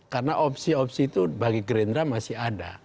karena opsi opsi itu bagi gerindra masih ada